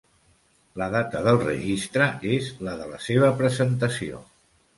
La data del registre és la de la seva presentació.